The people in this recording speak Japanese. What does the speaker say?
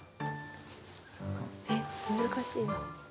えっ難しいな。